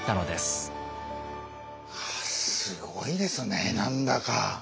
すごいですね何だか。